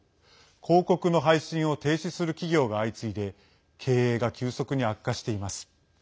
広告の配信を停止する企業が相次いで経営が急速に悪化しています。